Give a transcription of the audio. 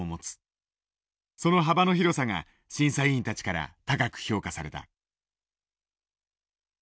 その幅の広さが審査委員たちから高く評価された。